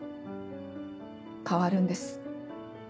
変わるんです。